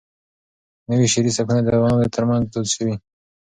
نوي شعري سبکونه د ځوانانو ترمنځ دود شوي.